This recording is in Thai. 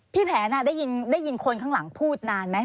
แผนได้ยินคนข้างหลังพูดนานไหม